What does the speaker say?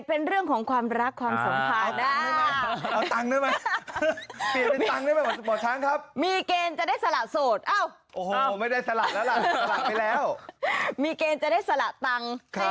เป็นเรื่องของความรักความสัมพันธ์